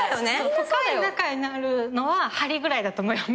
深い仲になるのは針ぐらいだと思うよ。